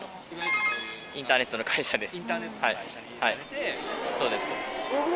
インターネットの会社です。